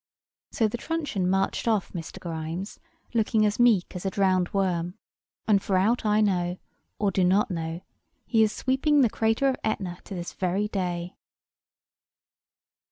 So the truncheon marched off Mr. Grimes, looking as meek as a drowned worm. And for aught I know, or do not know, he is sweeping the crater of Etna to this very day.